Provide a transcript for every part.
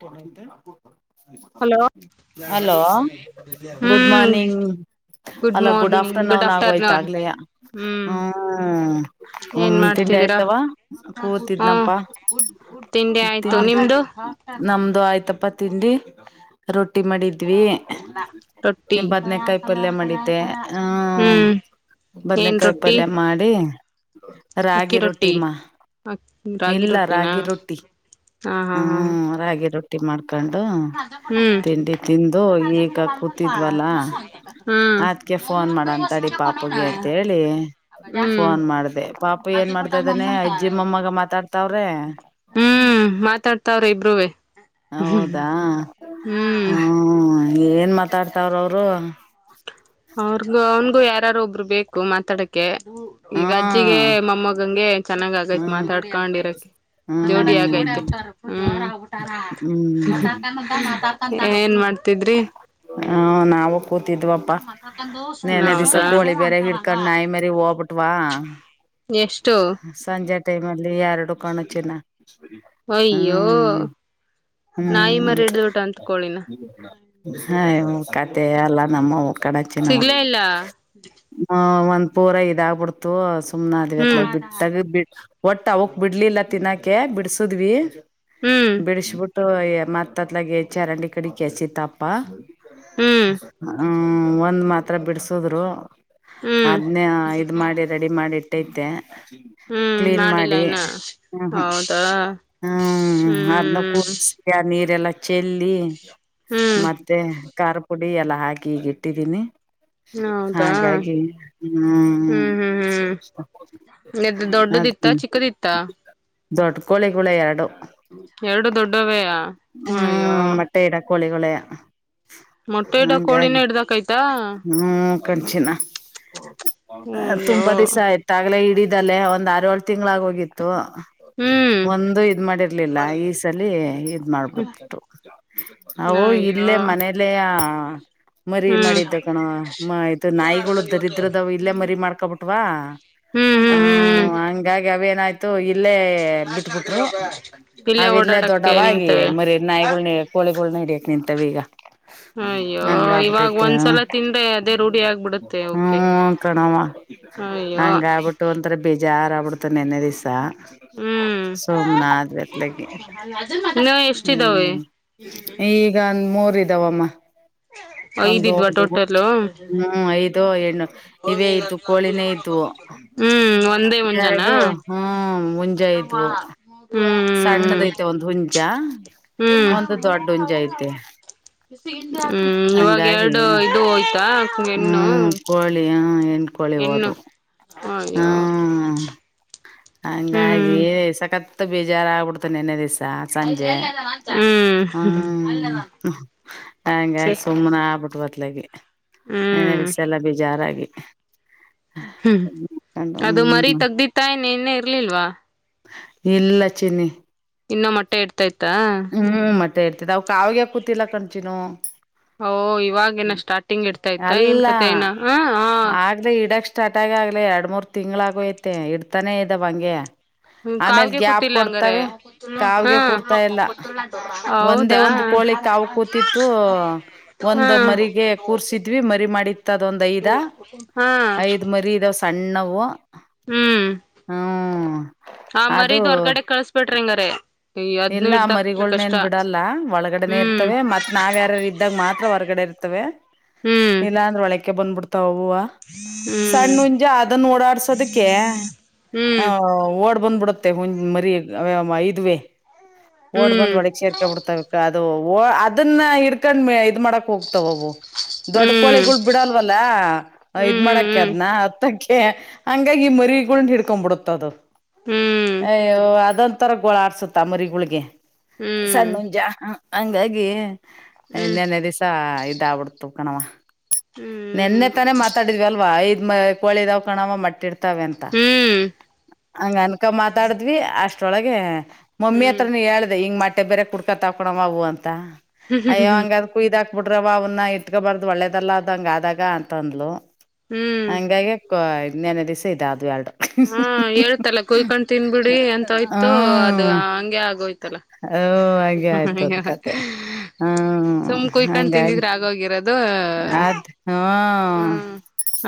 ತ hello hello good hmm morning ಅಲ್ಲ good afternoon ಅವನ್ ಆಗೋಯ್ತ ಆಗ್ಲಯ ಹ್ಮ್ ಹ್ಮ್ ಏನ್ ಹ್ಮ ಡ ಮಾಡ್ತಿದ್ದೀರಾ ಆಯ್ತವಾ ಹಾ ಕೂತಿದ್ನಪ ಆಯ್ತು ತಿಂಡಿ ನಿಮ್ದು ನಮ್ದು ಆಯ್ತಪ್ಪ ತಿಂಡಿ ರೊಟ್ಟಿ ರಟ್ಟಿ ಮಾಡಿದ್ವಿ ರೊಟ್ಟಿ ನಿಮ ಬದ್ನಕಾಯಿ ಪಲ್ಯ ಮಾಡಿದ್ದೆ ಹ್ಮ ಹ್ಮ್ ಏನ್ ಬದನೇಕಾಯಿ ರೊಟ್ಟಿ ಪಲ್ಯ ಮಾಡಿ ರಾಗಿ ರೊಟ್ಟಿ ಮಾ ರಾಗಿ ಇಲ್ಲ ರೊಟ್ಟಿನಾ ರಾಗಿ ರೊಟ್ಟಿ ಹಾ ಹಾ ಹಾ ಹಾ ರಟ್ಟಿ ಮಾಡ್ಕೊಂಡು ಹ್ಮ್ ತಿಂಡಿ ತಿಂದು ಈಗ ಕೂತಿದ್ವಲ್ಲ ಹ್ಮ್ ಅದ್ಕ ಫೋನ್ ಮಾಡ ಅಂತಡಿ ಪಾಪಗೆ ಅಂತ ಹೇಳಿ ಹ್ಮ್ ಫೋನ್ ಮಾಡ್ದ ಪಾಪು ಏನ್ ಮಾಡತ ಮದಾನೆ ಅಜ್ಜಿಮ್ಮಮ್ಮಗ ಮಾತಾಡ್ತಾವ್ರೆ ಹ್ಮ್ ಮಾತಾಡ್ತಾವ್ರ ಇಬ್ರೂ ಹೌದಾ ಹ್ಮ ಏನ್ ಮಾತಾಡ್ತಾವ್ರ ಅವರು ಅವ್ರಗೂ ಅವನ್ಗೂ ಯಾರಾರು ಒಬ್ರು ಬೇಕು ಮಾತಾಡಕ್ಕೆ ಈಗ ಹ್ಮ್ ಅಜ್ಜಿಗೆ ಮಮ್ಮಗಂಗೆ ಚೆನ್ನಾಗ ಆಗೈತ್ ಹ್ಮ್ ಮಾತಾಡ್ಕೊಂಡಿರಕ್ ಜೋಡಿ ಹ್ಮ್ ಆಗೈತ ಹ್ಮ್ ಹ್ಮ್ ಮಾತಾಡ್ಕಂತಾರ ಹ ನಾವು ಕೂ ತಿದ್ವಪ್ಪಾ ನೆನೆ ದಿವಸ ಕೋಳಿ ಬೇರೆ ಹಿಡ್ಕೊಂಡ್ ನಾಯಿ ಮರಿ ಹೋಗ್ಬಿಟ್ವಾ ಎಷ್ಟು ಸಂಜೆ ಟೈಮ್ಲ್ಲಿ ಎರಡು ಕಾಣೋ ಚಿನ್ನ ಅಯ್ಯೋ ಹ್ಮ್ ನಾಯಿ ಹ್ಮ್ ಮರಿ ಹಿಡ್ದಬಿಟ್ಟ ಅಂತ ಕೋಳಿನ ಹಾ ಓ ಕ ಹೇ ಅಲ್ಲ ನಮ್ಮವು ಕಡ ಚಿನ್ನಮ್ಮ ಸಿಗ್ಲೇ ಇಲ್ಲ ಆವ ಒಂದ್ ಪೂರ ಇದಾಗ್ಬಿಡ್ತು ಸುಮ್ನ ಅದ್ವಿತ್ಲ ಹ್ಮ್ ಬಿಟ್ಟಾಗ ಬಿ ಒಟ್ಟ ಅವಕ್ ಬಿಡ್ಲಿಲ್ಲ ತಿನ್ನಾಕೆ ಬಿಡ್ಸುದ್ವಿ ಹ್ಮ್ ಬಿಡಿಸಬಿಟ್ಟು ಮತ್ದ್ಲಗ ಚರಂಡಿ ಕಡೆ ಕೆಸಿತಪ್ಪ ಹ್ಮ್ [inaudible] ಹ್ಮ ಒಂದ್ ಮಾತ್ರ ಬಿಡ್ಸುದ್ರು ಹ್ಮ್ ಅದ್ನೇ ಇದ್ ಮಾಡಿ ರೆಡಿ ಮಾಡಿ ಇಟ್ಟೈತೆ ಹ್ಮ್ ಕ್ಲೀನ್ ಮಾಡಿಲ್ಲ ಮಾಡಿ ಇನ್ನ ಹ್ಮ ಹೌದಾ ಹ್ಮ್ ಅದನ್ನ ಕೂ ಯಾರ್ ಆ ನೀರೆಲ್ಲಾ ಚೆಲ್ಲಿ ಹ್ಮ್ ಮತ್ತೆ ಖಾರ ಪುಡಿ ಎಲ್ಲ ಹಾಕಿಗ ಇಟ್ಟಿದ್ದೀನಿ ಹೌದಾ ಹಾಗಾಗಿ ಹ್ಮ್ಮ್ ಹ್ಮ್ ಡ್ ದತ್ತ ಚಿಕ್ಕದತ್ತಾ ದೊಡ್ಡ ಕೋಳಿ ಗೋಳೆ ಎರಡು ಎರಡು ದೊಡ್ಡವೆಯಾ ಅಯ್ಯೋ ಕೋಳಿಕಳೆಯ ಮೊಟ್ಟೆ ಇಡೋ ಹಂಗಾಗಿ ಕೋಳಿನೇ ಹಿಡ್ದಕಯ್ತಾ ಹ್ಮ್ ಕಾಣ್ಚಿನ ಅಯ್ಯೋ ತುಂಬಾ ದಿವಸ ಆಯ್ತ ಆಗ್ಲೇ ಹಿಡಿದಲ್ಲೆ ಒಂದ್ ಆರ್ ಏಳ್ ತಿಂಗ್ಗಳಾಗೋಗಿತ್ತು ಹ್ಮ್ ಒಂದು ಇದ್ ಮಾಡಿರ್ಲಿಲ್ಲ ಈ ಸಲ್ಲಿ ಇದ್ ಮಾಡ್ಬಿಡ್ತು ಅವು ಅಯ್ಯೋ ಇಲ್ಲೇ ಮನೇಲೆಯ ಮರಿ ಹ್ಮ್ ಮಾಡಿದ್ದ ಕಣವ ಇದು ನಾಯಿಗಳು ದರಿದ್ರದಾವ ಇಲ್ಲೇ ಮರಿ ಮಾಡ್ಕೊಬಿಟ್ವಾ ಹ್ಮ್ ಹ್ಮ್ ಹ್ಮ್ ಹ್ಮ ಹಂಗಾಗಿ ಅವೇನಾಯ್ತು ಇಲ್ಲೇ ಬಿಟ್ಬಿಟ್ರು ಅವು ಇಲ್ಲೇ ಓಡಾಡಕ್ಕೆ ದೊಡ್ಡವಾಗಿ ನಿಂತವೆ ಮರಿ ನಾಯಿಗಳ್ನೆ ಕೋಳಿಗಳ್ನ ಹಡಿಯಕ್ ನಿಂತಾವೀಗ ಅಯ್ಯೋ ನಂಗ ಆಪಿಟ್ಟ ಇವಾಗ ಇತೇ ಒಂದ್ಸಲ ತಿಂದ್ರೆ ಅದೇ ರೂಢಿ ಆಗ್ಬಿಡುತ್ತೆ ಅವಕ್ಕೆ ಹ್ಮ ಕಾಣುವ ಅಯ್ಯೋ ಹಂಗ ಆಬಿಟ್ಟು ಒಂಥರ ಬೇಜಾರ ಆಬಿು ತ ನಿನ್ನೆ ದಿವ್ಸ ಹ್ಮ್ ಸೋಮ್ನಾದ್ ಬೇಕೆ ಇನ್ನು ಎಷ್ಟಿದಾವೆ ಹ್ಮ್ ಈಗಂದ ಮೂರ್ ಇದಾವಮ್ಮ [inaudible] ಒಂದು ಐದಿದ್ವಾ ಹ ಟೋಟಲು ಹ್ಮ್ ಐದು ಹೆಣ್ಣು ಇವೇ ಇದ್ದತ್ತು ಕೋಳಿನೇ ಇದ್ದವು ಹ್ಮ್ ಒಂದೇ ಮುಂಜಾನಾ ಎರಡು ಹ್ಮ್ ಮುಂಜ ಇದ್ವು ಹ್ಮ್ ಸಣ್ಣದೈತೆ ಒಂದ್ ಹುಂಜಾ ಹ್ಮ್ ಹ್ಮ್ ಇವಾಗ ಹಂಗಾಗಿ ಎರಡು ಇದು ಹೋಯ್ತಾ ಹೆಣ್ಣು ಹ್ಮ್ ಕೋಳಿ ಹೆ ಕೊಳ್ಳಿ ಹೆಣ್ಣು ಹೋತು ಅಯ್ಯೋ ಹ್ಮ ಹಂಗಾಗಿ ಹ್ಮ್ ಸಖತ್ ಬೇಜಾರ ಆಗ್ಬಿಡ್ತೆ ನೆನ್ನೆ ದಿವ್ಸ ಸಂಜೆ ಹ್ಮ್ ಹ್ಮ ಹಂಗಾಗಿ ಸರಿ ಸುಮ್ನೆ ಆಗ್ಬಿಟೂ ಆ ತೆ ಲೆಗೆ ಹ್ಮ್ ನೆನೆದಿದೆಸೆಲ್ಲ ಬೇಜಾರಾಗಿ ಹ್ಮ್ ಅದು ಮರಿ ಹ್ಮ್ ತಗ್ದಿತಾಯ್ ನಿನ್ನೆ ಇರ್ಲಿಲ್ವಾ ಇಲ್ಲ ಚಿನ್ನಿ ಇನ್ನ ಮೊಟ್ಟೆ ಇಡ್ತೈತಾ ಹೇರ್ತಿದ್ ಅವಕ ಅವಿಗೆ ಕೂತಿಲ್ಲ ಕಣ್ಚಿನು ಓ ಇವಾಗೇನ ಸ್ಟಾರ್ಟಿಂಗ್ ಇಡ್ತಾ ಇತ್ತ ಏನ್ ಅಲ್ಲ ಕತೆ ಏನ ಹ ಹ ಆಗಲೇ ಇಡಕ್ ಸ್ಟಾರ್ಟ್ ಆಗ ಗಾಗ್ಲ ಎರಡ್ ಮೂರ್ ತಿಂಗಳ ಆಗೋಯತೆ ಇಡ್ತಾನೇ ಇದ್ದವ ಹಂಗೆ ಆಮೇಲ್ ಕಾವ್ಗೆ ಗ್ಯಾಪ್ ಕೂತಿಲ್ಲ ಹಂಗಾರೆ ಕೊಡ್ತವೆ ಹಾ ಕಾವ್ಗೆ ಕೂರ್ತಾ ಎಲ್ಲ ಒಂದೇ ಹೌದಾ ಒಂದ್ ಕೋಳಿ ಕಾವು ಕೂತಿತ್ತು ಒಂದ ಹಾ ಮರಿಗೆ ಕೂರ್ಸಿ ಇದ್ವಿ ಮರಿ ಮಾಡಿತ್ತ ಅದ ಒಂದ್ ಐದ ಹಾ ಐದ್ ಮರಿ ಇದಾವ ಸಣ್ಣವು ಹ್ಮ ಹಾ ಮರೀದ್ ಹೊರ್ಗಡೆ ಕಳ್ಸ್ಬಟ್ರಿ ಹಂಗರ ಅದ್ನು ಇರದಕ್ ಗಳನೇನ್ ಬಿಡಲ್ಲ ಒಳಗಡೆನೆ ಇರ್ತವೆ ಮತ್ ನಾವ್ ಯಾರಾರ ಇದ್ದಾಗ ಮಾತ್ರ ಹೊರಗಡೆ ಇರ್ತವೆ ಹ್ಮ್ ಇಲ್ಲಾಂದ್ರೆ ಒಳಕ್ಕೆ ಬಂದ್ಬಿಡ್ತ ವಾ ಹ್ಮ್ ಸಣ್ಣ ಹುಂಜ ಅದನ್ನ ಓಡಾಡ್ಸೋದಕ್ಕೆ ಹ ಓಡ್ ಬಂದ್ಬಿಡತ್ತೆ ಹ್ ಮರಿ ಐದುವೆ ಹ್ಮ್ ಓಡ್ ಹ್ಮ್ ಹ್ಮ್ ಬಂದ್ ಒಡಗ್ ಸೇರ್ಕ ಬಿಡ್ತಾವ ಅದು ಅದನ್ನ ಹಿಡ್ಕೊಂಡ್ ಮ ಇದ್ ಮಾಡಕ್ ಹೋಗತಾವವು. ಹ್ಮ್ ದೊಡ್ ಕೋಳಿಗಳ ಬಿಡಲ್ವಲ್ಲಾ ಇದ್ ಮಾಡಕ ಅದ್ನ ಹತ್ತಕ ಹಂಗಾಗಿ ಮರಿಗಳ ಹಿಡ್ಕೊಬಿಡುತ್ತ ಅದು ಹ್ಮ್ ಹ್ಮ್ ಹ್ಮ್ ಅಯ್ಯೋ ಅದಂತ ಅದ ಒಂದ್ ತರ ಗೋಳ ಆಡ್ಸುತ್ತ ಮರಿಗಳಿಗೆ ಸಣ್ಣ ಹುಂಜ ಹಂಗಾಗಿ ಹ್ಮ್ ಹ್ಮ್ ಇನ್ನೆನೇ ದಿವ್ಸ ಇದಬಿಡ್ತು ಕಣವ ನೆನ್ನೆ ತಾನೇ ಮಾತಾಡಿದ್ವಿ ಅಲ್ವಾ ಐದ್ ಮ ಕೋಳ ಇದಾವ್ ಕಣವ ಮಟ್ಟೆಡ್ತ ತವೆ ಅಂತ ಹಂಗ ಅನ್ಕ ಮಾತಾಡಿದ್ವಿ ಅಷ್ಟೊಳಗೆ ಮಮ್ಮಿ ಹ್ಮ್ ಹತ್ರ ನೀ ಹೇಳ್ದ ಹಿಂಗ ಮಟ್ಟೆ ಬೇರೆ ಕುಡ್ಕತಾಕೋಣಮ್ಮ ಅವು ಅಂತ ಅಯ್ಯ ಹಂಗ ಅದ್ ಕುಯ್ದಾಕ ಹ ಬಿಡ್ರವ ಅವ್ನ್ನ ಇಟ್ಕಬಾರ್ದ ಒಳ್ಳೇದಲ್ಲ ಅದಂಗ ಆದಾಗ ಅಂತಂದ್ಲಲು ಹ್ಮ್ ಹ ನ್ ರಸ ಇ ಅದು ಆ ಹಾ ಹೇಳ್ತಲ್ಲ ಕುಯ್ಕೊಂಡ್ ತಿನ್ಬಿಡಿ ಅಂತೋಯ್ತು ಅದು ಹ್ಮ್ ಹಂಗೆ ಆಗೋಯ್ತು. ಓ ಹಂಗೆ ಆಯ್ತದ ಕತೆೆ ಹ್ಮ ಸುಮ್ ಕುಯ್ಕೊಂಡ್ ಹಂಗಾಗಿ ತಿಂದಿದ್ರ ಆಗೋಗಿರೋದು ಅದ ಹ್ಮ ಹ್ಮ್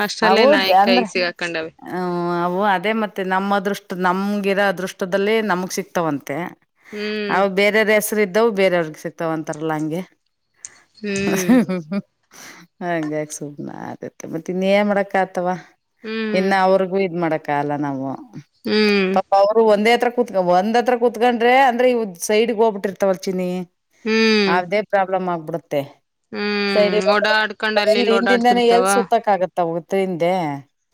ಅಷ್ಟ್ರಲ್ಲೇ ಅವು ನಾಯಿ ಜಂದ್ರೆ ಕೈಗ್ ಸಿಗಾಕೊಂಡವೆ ಹ ಹು ಅದೇ ಮತ್ತೆ ನಮ್ಮ ಅದೃಷ್ಟ ನಮಗಿರೋ ಅದೃಷ್ಟದಲ್ಲಿ ನಮಗ್ ಸಿಕ್ತಾವಂತೆ. ಹ್ಮ್ ಫ್ರೀ ಇದ್ದವು ಬೇರೆಯವ್ರಿಗೆ ಸಿಕ್ತಾವ ಅಂತಾರಲ್ಲಾ ಹಂಗೆ ಹ್ಮ್ ಹಾಂಗಾಗಿ ಸುಮ್ನಾದೆ ತ್ತ ಮತ್ತೆ ಇನ್ನು ಏನ್ ಮಾಡಕ ಆತವಾ ಹ್ಮ್ ಇನ್ನು ಅವ್ರಿಗೂ ಇದ್ ಮಾಡಕ ಅಗಲ್ಲ ನಾವು. ಹ್ಮ್ ಪಾಪ ಅವರು ಒಂದೇ ಹತ್ರ ಕುೂತ್ಕ ಒಂದ್ ಹತ್ರ ಕುೂತ್ಕೊಂಡ ಅಂದ್ರೆ ಇ ಸೈಡ್ಗ್ ಹೋಗ್ಬಿಟ್ಟಿರ್ತವಲ್ ಚಿನ್ನಿ ಹ್ಮ್ ಅದೇ ಪ್ರಾಬ್ಲಮ್ ಆಗ್ ಸೈ ಹ್ಮ್ ಓಡಾಡ್ಕೊಂಡ್ ಅಲ್ಲಿ ಇಲ್ಲಿ ಹಿಂದಿಂದಾನೇ ಓಡಾಡ್ತಿರ್ತಾವ ಎಲ್ ಸುತ್ತಕ ಆಗುತ್ತೆ ತಗೋತ್ ಹಿಂದೆ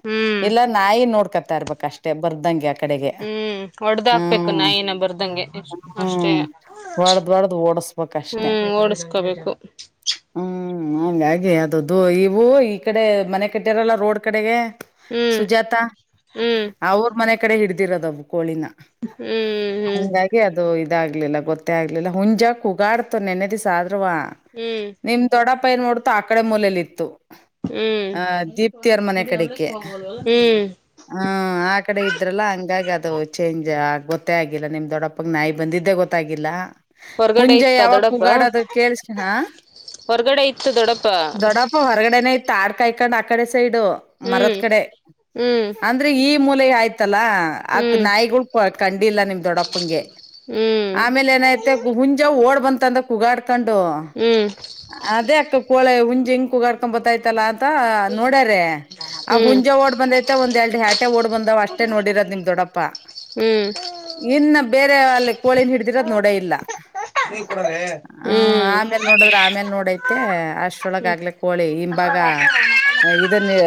ಹ್ಮ್ ಇಲ್ಲ ನಾಯಿ ನೋಡ್ಕೊತಾ ಇರ್ಬೇಕ ಅಷ್ಟೇ ಬರ್ದಂಗೆ ಯಕ ಕಡೆಗೆ ಹ್ಮ್ ಹೊಡ್ದ ಹಾಕ್ಬೇಕು ಹ್ಮ್ ನಾಯಿನ ಬರ್ದಂಗೆ ಅಷ್ಟೇ ಹ್ಮ್ ಹೊಡದ ಹೊಡದ ಓಡಸ್ಬೇಕಷ್ಟೆ ಹ್ಮ್ ಓಡಸ್ಕೋಬೇಕು ಹ್ಮ್ ಹಂಗ ಹಾಗೆ ಅದದುು ಇವು ಈ ಕಡೆ ಮನೆ ಕಟ್ಟಿರಲ್ಲ ರೋಡ್ ಕಡೆಗೆ ಹ್ಮ್ ಸುಜಾತಾ ಹ್ಮ್ ಅವ್ರ ಮನೆ ಕಡೆ ಹಿಡ್ದಿರೋದ ಅದು ಕೋಳಿನ ಹ ಹಂಗಾಗಿ ಅದು ಇದಾಗ್ಲಿಲ್ಲ ಗೊತ್ತೇ ಆಗ್ಲಿಲ್ಲ ಹುಂಜಾ ಕೂಗಾಡ್ತು ನೆನೆದಿ ಸ ಆದ್ರ ವಾ ಹ್ಮ್ ನಿಮ್ ದೊಡ್ಡ ಪೈ ನೋಡ್ತು ಆ ಕಡೆ ಮೂಲೇಲಿತ್ತು ಹ್ಮ್ ಆ ದೀಪ್ತಿಯರ್ ಮನೆ ಕಡೆಗೆ ಹ್ಮ್ ಹ್ಮ ಆ ಕಡೆ ಇದ್ರಲ್ಲ ಹಂಗಾಗಿ ಅದು ಚೇಂಜ್ ಆ ಗೊತ್ತೇ ಆಗಿಲ್ಲ ನಿಮ್ ದೊಡ್ಡಪ್ಪ ಪ್ಪಕ್ ನಾಯಿ ಬಂದಿದ್ದೆ ಗೊತ್ತಾಗಿಲ್ಲ ಹೊರ್ಗಡೆ ಹುಂಜೆ ಇತ್ತ ಯಾವಕ್ ದೊಡ್ಡಪ್ಪ ಉಗಾಡದು ಕೇಳಳ್ಸಣ ಹೊರ್ಗಡೆ ಇತ್ತು ದೊಡ್ಡಪ್ಪ ದೊಡ್ಡಪ್ಪ ಹೊರಗಡೆನ ಇತ್ ಆಡ್ ಕಾಯ ಇ ಕಡೆ ಇಂದ ಆ ಕಡೆ ಸೈಡು ಮರತ್ ಹ್ಮ್ ಕಡೆ ಹ್ಮ್ ಅಂದ್ರೆ ಈ ಮೂಲೆ ಆಯ್ತು ಲ್ಲ ಆಕ್ ಹ್ಮ್ ನಾಯಿಗಳು ಕಂಡಿಲ್ಲ ನಿಮ್ ಗೆ ಹ್ಮ್ ಹ್ಮ್ ಆಮೇಲೆ ಏನ ಆಯ್ತ್ ಹುಂಜ ಓಡ್ ಬಂತ ಅಂದ ಕುಾಗಾಡ್ ಕಕೊಂಡು ಹ್ಮ್ ಅದೇ ಅಕ್ಕ ಕೋಳೆ ಹುಂಜ ಇಂಕೂಡ್ಕೊಂಡ್ ಬತತಿ ಆತ್ತಲ್ಲ ಅಂತ ನೋಡ್ಯಾರ ಆ ಹುಂಜೆ ಹ್ಮ್ ಓಡ್ ಬಂದ್ತೆ ಒಂದ್ ಎರಡು ಹ್ಯಾಟೆ ಓಡ್ ಬಂದಾವ್ ಅಷ್ಟೇ ನೋಡಿರದ್ ನಿಮ್ ದೊಡಪ್ಪಾ ಇನ್ನ ಬೇರೆ ಅಲ್ಲಿ ಕೋಳಿನ ಹಿಡ್ದಿರೋದು ನೋಡೇ ಇಲ್ಲ ಹ ಹ್ಮ್ ಆಮೇಲ್ ನೋಡದ್ರ ಆಮೇಲ್ ನೋಡೈತೆ ಅಷ್ಟ್ರೊಳಗ ಹ್ಮ್ ಆಗ್ಲೆ ಕೋಳಿ ಹಿಮ್ಭಾಗ ಹ ಇದನ್ನ ಹೇಳ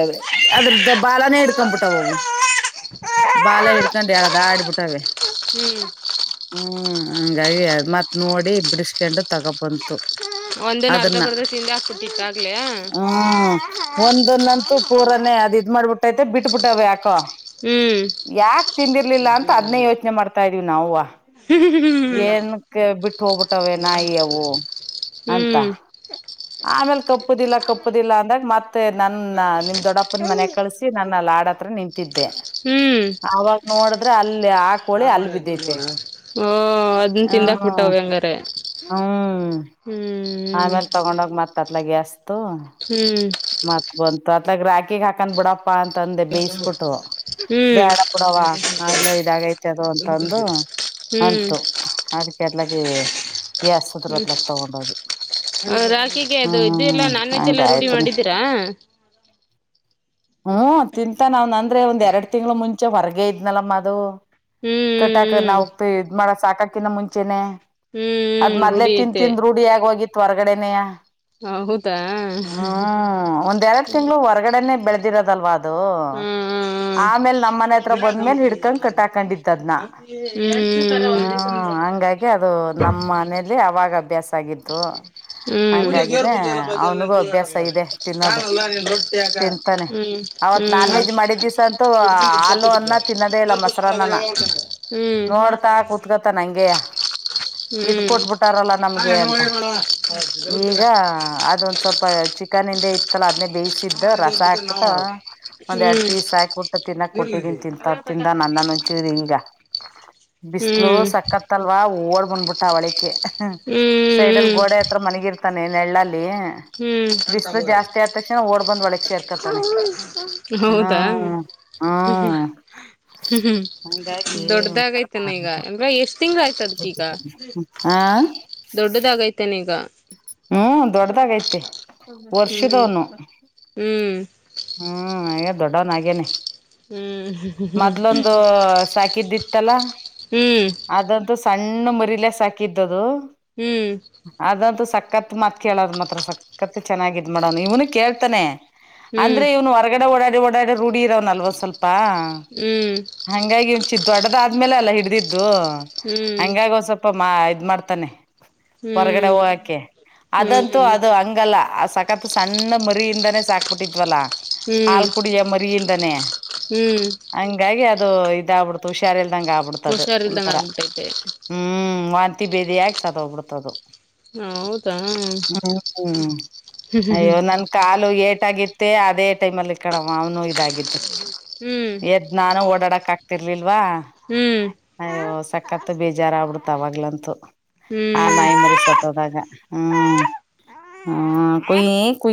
ಅದ್ರದ್ದ ಬಾಲಾನೇ ಹಿಡ್ಕೊಬಿಟ್ಟಾವವು ಬಾಲ ಇಡ್ಕೊಂಡು ಎಳೆದುಆಡ್ಬಿಟ್ಟವೆ ಹ್ಮ್ ಹ್ಮ್ ಹಂಗಾಗಿ ಅದ ಮತ್ ನೋಡಿ ಬಿಡಿಸಿಕೊಂಡು ತಗೊ ಬಂತು ಒಂದೇನ ಅರ್ಧ ಅದನ್ನ ಬರ್ಧ ತಿಂದೆ ಹಾಕ್ಬಿಟ್ಟಿತ್ತು ಆಗ್ಲೇ ಹ್ಮ ಒಂದನ್ನಂತೂ ಪುರಾನೆ ಅದ ಇದ್ ಮಾಡ್ಬಿಟ್ಟೈತೆ ಬಿಟ್ಬ ಬಿಟ್ಟಾವ ಯಾಕೋ ಹ್ಮ್ ಯಾಕ ತಿಂದಿರ್ಲಿಲ್ಲ ಅಂತ ಅದನ್ನೇ ಯೋಚನೆ ಮಾಡ್ತಾಯಿದ್ದೆ ನಾವ್ವ ಹ್ಮ್ ಏನಕ್ಕೆ ಬಿಟ್ಟ ಹೋಗ್ಬಿಟ್ಟವೇ ನಾಯಿ ಅವು ಅಂತ ಹ್ಮ್ ಆಮೇಲ್ ಕಪ್ಪುದಿಲ್ಲ ಕಪ್ಪುದಿಲ್ಲ ಅಂದಾಗ ಮತ್ತೆ ನನ್ನ ನಿಮ್ ದೊಡ್ಡಪ್ಪನ ಮನೆ ಕಳಸಿ ನನ್ನ ಅಲ್ಲಿ ಆಡತ್ರ ನಿಂತಿದ್ದೆ ಹ್ಮ್ ಆಗ ನೋಡಿದ್ರೆ ಅಲ್ಲಿ ಹಾ ಕೋಳಿ ಅಲ್ಲಿ ಬಿದ್ದೈತೆ ಹ್ಮ ಬಿಟ್ಟುಬಿಟ್ಟವೇ ಅಂಗರೇ ಹ್ಮ್ ಆಮೇಲ್ ತಗೊಂಡ ಹೋಗಿ ಮತ ಅತಾಲ್ಗತು ಹ್ಮ್ ಮತ್ ಬಂತು ಅತ್ಲಗ ರಾಕಿಗೆ ಹಾಕೊಂನ್ನ ಬಿಡಪ್ಪ ಅಂತ ತಂದೆ ಬೇಯಿಸಬಿಟ್ಟು ಹ್ಮ್ ಬ್ಯಾಡ ಬಿಡವ್ವಾ ಆಗ್ಲ ಇದಾಗೈತದ ಅಂತಂದು ಹ್ಮ್ ಅಂತು ಅದಕ್ಕೆ ಅದಲಾಗಿ ಎಸ್ತದರು ಅದ್ಲಕ್ಕ ತಗೊಂಡ ಹೋಗಿ ಹಾ ರಾಖಿಗೆ ಅದು ಇದುಯೆಲ್ಲಾ ನಾನ್ ವೆಜ್ ಎಲ್ಲ ರೂಢಿ ಹಂಗಾಯ್ತು ಮಾಡಿದ್ದೀರಾ [inaudible] ಹ್ಮ್ ತಿಂತ ನಾವ್ ಅಂದ್ರೆ ಒಂದ್ ಎರಡ್ ತತಿಂಗಳು ಮುಂಚೆ ಹೊರಗ ಇದದ್ನಲ್ಲಮ್ಮ ಅದು ಕಟ್ಟಾಕಿ ಹ್ಮ್ ಹ್ಮ್ ನಾವು ಇದುಮಾಡ ಸಾಕಕಿನ್ನ ಮುಂಚೆನೆ ಅದ್ ಹ್ಮ್ ಮದ್ಲೆ ರೂಢಿ ತಿನ್ ಐತೆ ತಿನ್ ರೂಢಿಯಾಗಿ ಹೋಗಿತ್ತು ಹೊರ್ಗಡೆನಯ ಹ ಹೌದಾ ಹ್ಮ್ ಹ್ಮ್ ಒಂದೆರಡು ತಿಂಗಳು ಹೊರ್ಗಡೆನೆ ಬೆಳೆದಿರೋದಲ್ವಾ ಅದು ಆಮೇಲ್ ಹ್ಮ ನಮ್ ಮನೆ ಹತ್ರ ಬಂದ್ಮೇಲ್ ಹಿಡ್ಕೊಂಡ್ ಹಾ ಕಟ್ಟಾಕೊಂಡಿದ್ದ ಅದ್ನ ಹ್ಮ್ ಹ್ಮ್ ಹಂಗಾಗಿ ಅದು [inaudible] ನಮ್ಮ ಮನಲಿ ಅವಾಗ ಅಭ್ಯಾಸ ಆಗಿದ್ದು ಹ್ಮ್ ಹ್ಮ್ ಹಂಗಾಗಿನೇ ಅವನಿಗೂ ಅಭ್ಯಾಸ ಇದೆ ತಿನ್ನೋದು ತಿಂತಾನೆ ಹ್ಮ್ ಅವತ್ ನಾನ್ ವೆಜ್ ಮಾಡಿದಿವಸ ಅಂತೂ ಹಾಲು ಅನ್ನ ತಿನ್ನೋದೇ ಇಲ್ಲ ಮೊಸರು ಅನನ್ನ ಹ್ಮ್ ನೋಡ್ತಾ ಕುತ್ಕತ್ತ ನಂಗೆ ಇದು ಹ್ಮ್ ಕೊಟ್ಬಿಟಾರಲ್ಲ ನಮ್ಗೆ ಅಂತ ಈಗ ಅದೊಂದ್ ಸ್ವಲ್ಪ ಚಿಕನ್ ಇಂದೆ ಇತಲ್ಲ ಅದನ್ನೇ ಬೇಯ ಬೇಯಿಸಿದ್ದು ರಸ ಹಾಕ್ಬಿಟ್ಟ ಒಂದ್ ಎರಡ್ ಹ್ಮ್ ಪೀಸ್ ಹಾಕಿಟ್ಟ ತಿನ್ನಾಕ್ ಕೊಟ್ಟಿದೀನಿ ತಿಂತ ತಿಂದ ನ ಅಂದನ್ಂಚಿ ಹಿಂಗ ಬಿಸ್ಲು ಹ್ಮ್ ಸಕ್ಕತ್ತ ಅಲ್ವಾ ಓಡ್ ಬಂದ್ಬಿಟ್ಟ ಒಳಿಕೆ ಸೈಡ್ಲ್ಲಿ ಹ್ಮ್ ಗೋಡೆ ಹತ್ರ ಮಲಗಿರ್ತಾನೆ ನೆಳ್ಳಲ್ಲಿ ಹ್ಮ್ ಬಿಸ್ಲು ಜಾಸ್ತಿ ಆದ ತಕ್ಷಣ ಓಡ್ ಬಂದ್ ಒಳಗ್ ಸೇರ್ಕತಾನೆ ಹೌದಾ. ಹ್ಮ್ ಹ್ಮ ಹ್ಮ್ ಹ್ಮ ಹ್ಮ್ ಹಂಗಾಗಿ ಒಂಥರ ದೊಡ್ಡದಾಗೈತನೆ ಈಗ ಅಲ್ವ ಎಷ್ಟ್ ತಿಂಗ್ ಆಯ್ತ ಅದ್ಕೀಗ. ಹ ದೊಡ್ಡದಾಗೈತನೆ ಈಗ ಹ್ಮ್ ದೊಡ್ಡದಾಗೈತಿ ಹ್ಮ್ ವರ್ಷದವನು ಹ್ಮ್ ಹ್ಮ ದೊಡ್ಡವನಾಗೇನೆ ಹ್ಮ್ ಮೊದ್ಲೊಂದು ಸಾಕಿದ್ದಿತ್ತಲ್ಲ ಹ್ಮ್ ಹ್ಮ್ ಅದಂತೂ ಸಣ್ಣ ಮರಿಲೆ ಸಾಕಿದ್ದದು ಹ್ಮ್ ಅದಂತೂ ಕತ್ ಕೇಳೋದ್ ಮಾತ್ರ ಸಕತ್ ಚೆನ್ನಾಗಿ ಇದು ಮಾಡೋನು ಇವನು ಕೇಳ್ತಾನೆ ಹ್ಮ್ ಹ್ಮ್ ಅಂದ್ರೆ ಇವ್ ಹೊರ್ಗಡೆ ಓಡಾಡಿ ಓಡಾಡೆ ರೂಢಿ ಇರುವನು ಅಲ್ವ ಸ್ವಲ್ಪ ಹ್ಮ್ ಹಂಗಾಗಿ ಒಂಚೂರು ದೊಡ್ಡದಾದ್ಮೇಲೆ ಅಲ್ಲ ಹಿಡಿದಿದ್ದ ಇದು ಹ್ಮ್ ಹಂಗಾಗಿ ಸ್ವಲ್ಪ ಮಾ ಇದ್ ಮಾಡ್ತಾನೆ ಹ್ಮ್ ಹೊರಗಡೆ ಹ್ಮ್ ಹೋಗಕೆ ಅದಂತೂ ಅದು ಹಂಗಲ್ಲ ಆ ಸಕತ್ ಸಣ್ಣ ಮರಿಯಿಂದಾನೇ ಸಾಕ್ಬಿಟ್ಟಿದ್ವಲ್ಲ. ಹಾಲ್ ಕುಡಿಯ ಮರಿಯಿಂದಾನೇ ಹ್ಮ್ ಹಂಗಾಗಿ ಅದು ಇದಾಗಬಿಡ್ತು ಹುಷಾರಿ ಎಲ್ [unintelligible] ಗ ಆಗ್ಬಿಡ್ತದ ಹುಷಾರಿಲ್ದಂಗ ಒಂಥರ ಆಗ್ಬಿಟ್ಟೈತೆ ಹ್ಮ್ ವಾಂತಿ ಬೇದಿಯಾಕ ಸತ್ ಹೊಗ್ಬಿಡ್ತು. ಹ್ಮ್ ಹ್ಮ ಅಯ್ಯೋ ನನ್ ಕಾಲು ಏ [unintelligible] ಗತ್ತ ಅದೇ ಟೈಮಲ್ಲಿ ಕಣಮ್ಮ ಅವ್ನು ಇದಾಗಿದ್ದು ಹ್ಮ್ ಎದ್ ನಾನು ಓಡಾಡಕ್ ಆ ಹ್ಮ್ ಅಯ್ಯೋ ಸಕತ್ತು ಬೀಜಾರ ಆಬಿಡ್ತ ಅವಾಗ್ಲಂತೂ ಆ ಹ್ಮ್ ನಾಯಿ ಮರಿ ಸತ್ತೊದಾಗ. ಹ್ಮ್ ಹ ಕುಯ್ ಕು